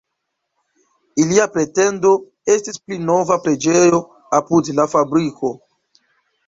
Ilia pretendo estis pli nova preĝejo apud la fabriko.